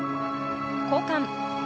交換。